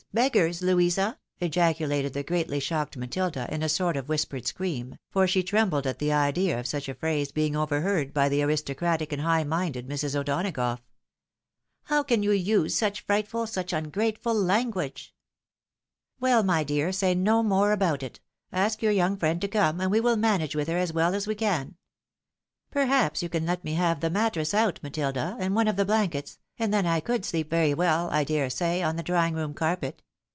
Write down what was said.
beggars ! Louisa !" ejaculated the greatly shocked Matilda, in a sort of whispered scream, for she trembled at the idea of such a phrase being overheard by the aristocratic and high minded Mis. O'Donagough. " How can you use such frightful, such ungrateful language? "" Well, my dear, say no more about it ; ask your young friend to come, and we will manage with her as well as we can. Perhaps you can let me have the mattress out, Matilda, and one of the blankets, and then I could sleep very well, I dare say, on the drawing room carpet.